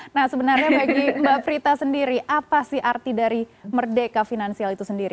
nah sebenarnya bagi mbak prita sendiri apa sih arti dari merdeka finansial itu sendiri